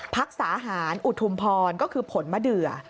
รักษาหารอุทุมพรก็คือผลมะเดือ